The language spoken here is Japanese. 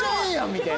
みたいな。